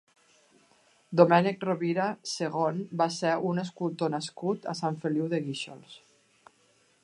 Domènec Rovira segon va ser un escultor nascut a Sant Feliu de Guíxols.